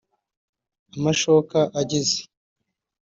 Amashoka ageze